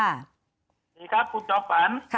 สวัสดีค่ะคุณจ๊อบฟัน